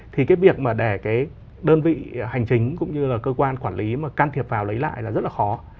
thì cái việc mà để cái đơn vị hành chính cũng như là cơ quan quản lý mà can thiệp vào lấy lại là rất là khó